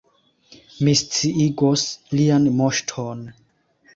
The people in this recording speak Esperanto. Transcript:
Mi sciigos Lian Moŝton.